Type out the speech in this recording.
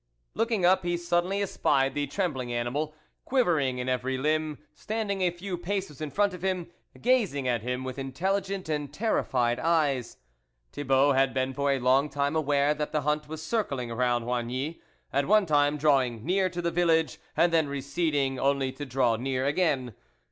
Looking up, he suddenly espied the trembling animal, quivering in every limb, standing a few paces in front of him, gazing at him with intelligent and terrified eyes. Thibault had been for a long time aware that the hunt was circling around Oigny, at one time drawing near to the village, and then receding, only to draw near again.